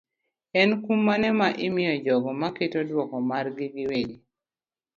En kum mane ma imiyo jogo maketo duoko margi giwegi.